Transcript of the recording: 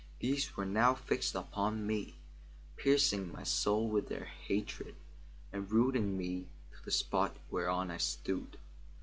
These were now fixed upon me, piercing my soul with their hatred, and rooting me to the spot whereon I stood.